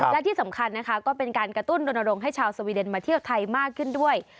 และที่สำคัญนะคะก็เป็นการกระตุ้นรณรงค์ให้ชาวสวีเดนมาเที่ยวไทยมากขึ้นด้วย